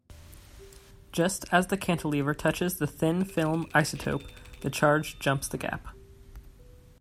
Just as the cantilever touches the thin-film isotope, the charge jumps the gap.